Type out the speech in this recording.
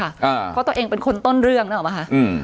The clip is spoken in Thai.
อ่าเพราะตัวเองเป็นคนต้นเรื่องน่ะเหรอไหมคะอืม